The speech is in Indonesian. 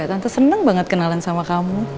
tante senang banget kenalan sama kamu